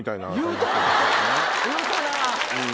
言うたな！